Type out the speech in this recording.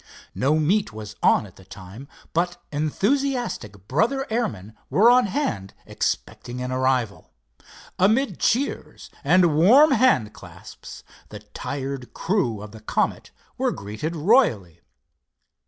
No meet was on at the time, but enthusiastic brother airmen were on hand expecting an arrival. Amid cheers and warm hand clasps, the tired crew of the Comet were greeted royally.